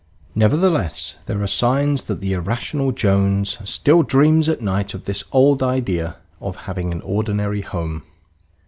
Nevertheless, there are signs that the irrational Jones still dreams at night of this old idea of having an ordinary home.